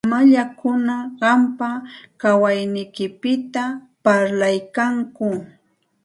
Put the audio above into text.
Mamallakuna qampa kawayniykipita parlaykanku.